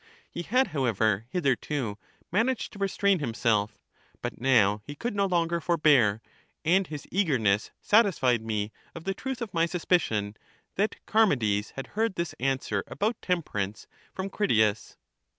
He had, how ever, hitherto managed to restrain himself; but now he could no longer forbear, and his eagerness satisfied me of the truth of my suspicion, that Charmides had heard this answer about temperance from Critias.